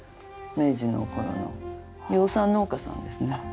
明治の頃の養蚕農家さんですね。